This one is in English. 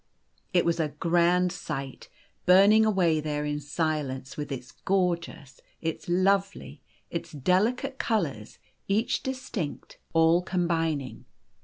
O It was a grand sight, burning away there in silence, with its gorgeous, its lovely, its delicate colours, each distinct, all combining.